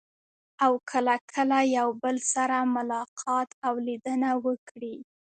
او کله کله یو بل سره ملاقات او لیدنه وکړي.